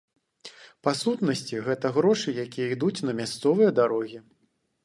Па сутнасці, гэта грошы, якія ідуць на мясцовыя дарогі.